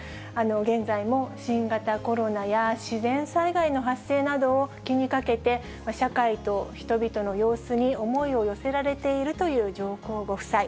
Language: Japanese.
現在も新型コロナや、自然災害の発生などを気にかけて、社会と人々の様子に思いを寄せられているという上皇ご夫妻。